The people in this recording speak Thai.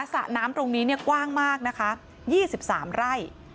สระน้ำตรงนี้กว้างมากนะคะ๒๓ไร่